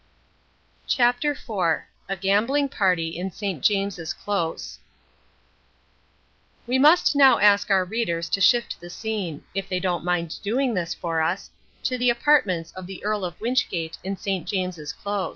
CHAPTER IV A GAMBLING PARTY IN ST. JAMES'S CLOSE We must now ask our readers to shift the scene if they don't mind doing this for us to the apartments of the Earl of Wynchgate in St. James's Close.